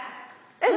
えっ？